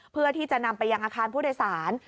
เพื่อที่จะนำไปยังอาคารผู้โดยสาร